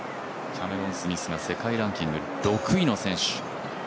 キャメロン・スミスは世界ランキング６位の選手。